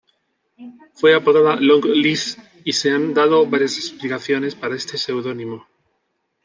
Fue apodada "Long Liz", y se han dado varias explicaciones para este seudónimo.